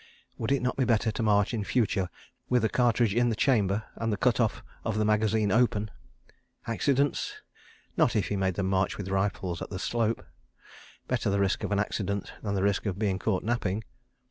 Would it not be better to march in future with a cartridge in the chamber and the cut off of the magazine open? ... Accidents? ... Not if he made them march with rifles at the "slope." ... Better the risk of an accident than the risk of being caught napping.